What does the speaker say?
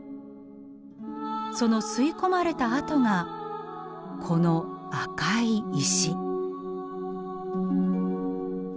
その吸い込まれた跡がこの赤い石。